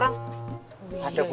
and jadilah kita pakai